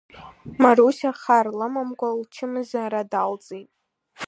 Марусиа хар лымамкәа лчымазара даалҵит.